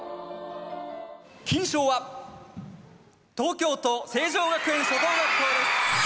金賞は東京都成城学園初等学校です。